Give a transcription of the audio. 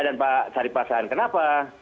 dan pak sarif hasan kenapa